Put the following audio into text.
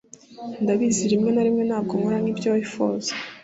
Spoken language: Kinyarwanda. ndabizi rimwe na rimwe ntabwo nkora nkibyo wifuza